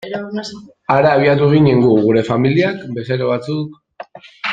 Hara abiatu ginen gu, gure familiak, bezero batzuk...